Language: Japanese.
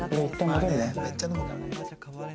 まあねめっちゃ飲むからね。